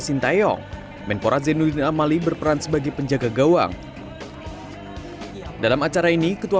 sintayong menpora zenuddin amali berperan sebagai penjaga gawang dalam acara ini ketua